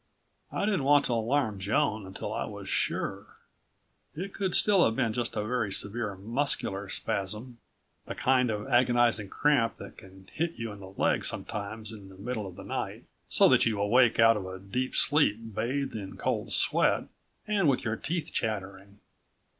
I didn't want to alarm Joan until I was sure. It could still have been just a very severe muscular spasm the kind of agonizing cramp that can hit you in the leg sometimes in the middle of the night, so that you awake out of a deep sleep bathed in cold sweat, and with your teeth chattering.